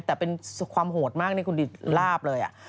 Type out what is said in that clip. แต่เป็นความโหดมากนี่คุณดีลาบเลย